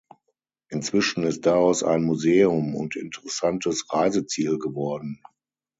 Inzwischen ist daraus ein Museum und interessantes Reiseziel geworden.